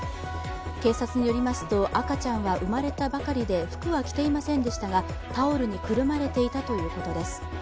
警察によりますと、赤ちゃんは生まれたばかりで服は着ていませんでしたがタオルにくるまれていたということです。